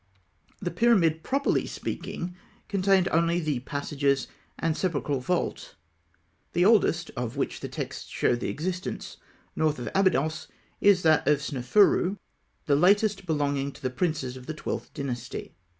The pyramid, properly speaking, contained only the passages and sepulchral vault. The oldest of which the texts show the existence, north of Abydos, is that of Sneferû; the latest belong to the princes of the Twelfth Dynasty.